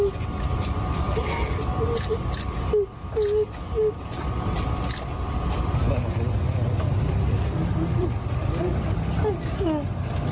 ไตลักษณ์